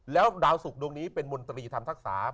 แล้วดาวศุกร์ดวงนี้เป็นบนตรีทำศักดีางาน